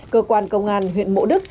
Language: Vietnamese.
cơ quan công an huyện mộ đức